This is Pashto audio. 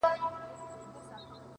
• پاچا صاحبه خالي سوئ، له جلاله یې،